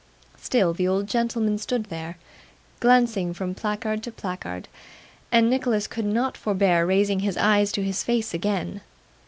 Still, the old gentleman stood there, glancing from placard to placard, and Nicholas could not forbear raising his eyes to his face again.